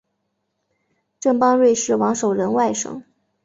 郑邦瑞是王守仁外甥。